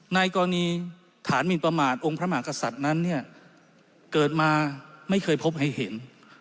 ในกรณีฐานมินประมาทองค์พระมหากษัตริย์นั้นเนี่ยเกิดมาไม่เคยพบให้เห็น